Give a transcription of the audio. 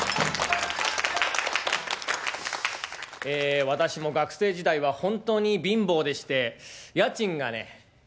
え私も学生時代は本当に貧乏でして家賃がね